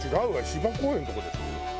芝公園のとこでしょ？